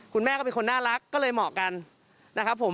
คุณแม่ก็เป็นน่ารักก็เลยเหมาะกัน